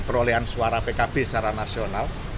perolehan suara pkb secara nasional